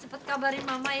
cepet kabarin mama ya